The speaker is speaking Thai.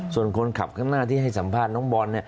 ส่วนคนขับข้างหน้าที่ให้สัมภาษณ์น้องบอล